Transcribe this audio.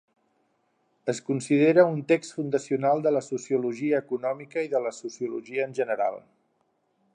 Es considera un text fundacional de la sociologia econòmica i de la sociologia en general.